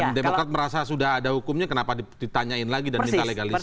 dan demokrat merasa sudah ada hukumnya kenapa ditanyain lagi dan minta legalisir gitu